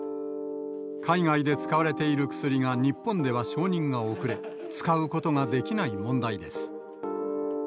海外で使われている薬が日本では承認が遅れ、使うことができない問題です。